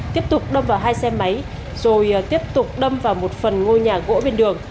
tiếp tục đâm vào hai xe máy rồi tiếp tục đâm vào một phần ngôi nhà gỗ bên đường